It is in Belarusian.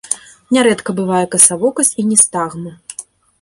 Нярэдка бывае касавокасць і ністагм.